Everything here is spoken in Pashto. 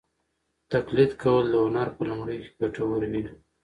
تقلید کول د هنر په لومړیو کې ګټور وي.